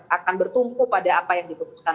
akan bertumpu pada apa yang diputuskan